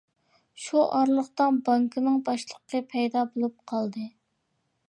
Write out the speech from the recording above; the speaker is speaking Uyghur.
شۇ ئارىلىقتا بانكىنىڭ باشلىقى پەيدا بولۇپ قالدى.